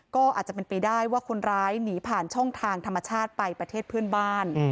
ก็อาจจะเป็นไปได้ว่าคนร้ายหนีผ่านช่องทางธรรมชาติไปประเทศเพื่อนบ้าน